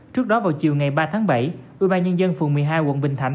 trước đó vào chiều ngày ba tháng bảy ưu bài nhân dân phường một mươi hai quận bình thạnh